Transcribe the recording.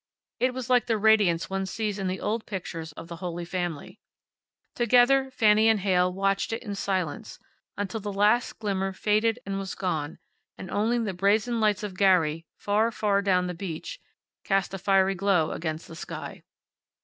It was like the radiance one sees in the old pictures of the Holy Family. Together Fanny and Heyl watched it in silence until the last pale glimmer faded and was gone, and only the brazen lights of Gary, far, far down the beach, cast a fiery glow against the sky.